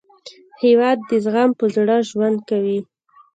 هېواد د زغم په زړه ژوند کوي.